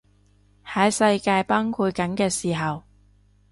喺世界崩塌緊嘅時候